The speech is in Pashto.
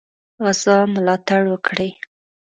غزا ملاتړ وکړي.